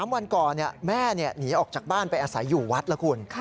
วันก่อนแม่หนีออกจากบ้านไปอาศัยอยู่วัดแล้วคุณ